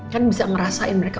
kan bisa ngerasain mereka